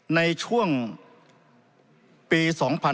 ในช่วงปี๒๕๕๙